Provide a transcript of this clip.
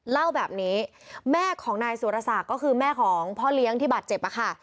เล่าแบบนี้แม่ของนายสุรศักดิ์ก็คือแม่ของพ่อเลี้ยงที่บาดเจ็บค่ะ